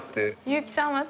結城さんは？